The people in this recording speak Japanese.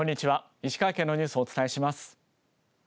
石川県のニュースをお伝えします。